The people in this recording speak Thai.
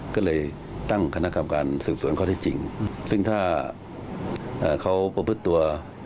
ก็เลยตั้งคณะกรรมการสื่อส่วนเขาได้จริงอืมซึ่งถ้าอ่าเขาประพฤติตัว